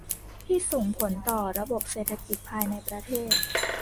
ที่ส่งผลต่อระบบเศรษฐกิจภายในประเทศ